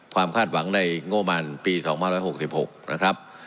ความคาดหวังในโงมาปี๒๖๖๖นะครับ